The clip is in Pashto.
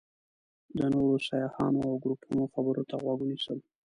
د نورو سیاحانو او ګروپونو خبرو ته غوږ ونیسم.